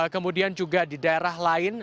kemudian juga di daerah lain